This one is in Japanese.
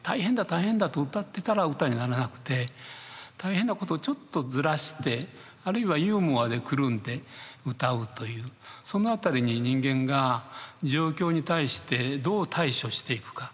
大変だ！」と歌ってたら歌にならなくて大変なことをちょっとずらしてあるいはユーモアでくるんで歌うというその辺りに人間が状況に対してどう対処していくか。